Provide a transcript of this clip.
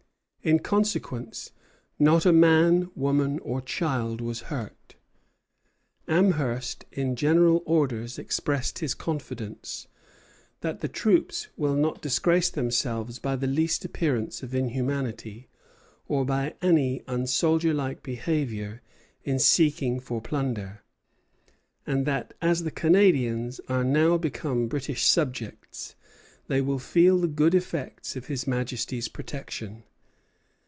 In consequence, not a man, woman, or child was hurt. Amherst, in general orders, expressed his confidence "that the troops will not disgrace themselves by the least appearance of inhumanity, or by any unsoldierlike behavior in seeking for plunder; and that as the Canadians are now become British subjects, they will feel the good effects of His Majesty's protection."